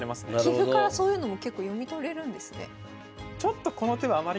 棋譜からそういうのも結構読み取れるんですね。